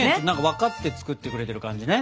分かって作ってくれてる感じね。